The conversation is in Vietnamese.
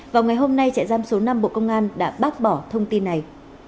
vào ngày hôm nay trại giam số năm bộ công an đã bác bỏ thông tin này